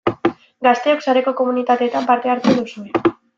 Gazteok sareko komunitateetan parte hartzen duzue.